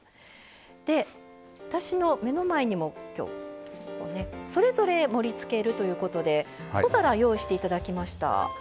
で私の目の前にも今日それぞれ盛りつけるということで小皿用意して頂きました。